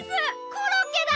コロッケだ！